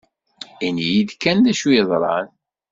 Ini-yi-d kan d acu yeḍran!